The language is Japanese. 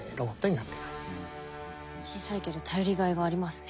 小さいけど頼りがいがありますね。